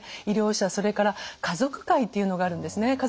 医療者それから家族会っていうのがあるんですね。